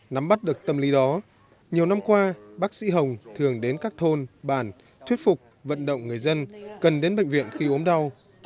nắm bắt được tâm lý đó nhiều năm qua bác sĩ hồng thường đến các thôn bản thuyết phục vận động người dân cần đến bệnh viện khi ốm đau